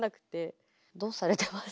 どうされてます？